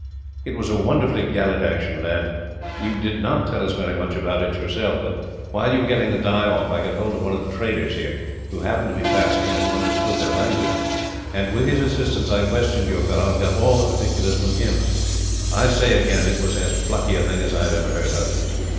"It was a wonderfully gallant action, lad. You did not tell us very much about it yourself but, while you were getting the dye off, I got hold of one of the traders here, who happened to be passing, and who understood their language; and with his assistance I questioned your fellow, and got all the particulars from him. I say again, it was as plucky a thing as I have ever heard of."